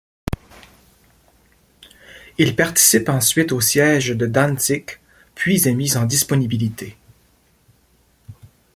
Il participe ensuite au siège de Dantzig, puis est mis en disponibilité.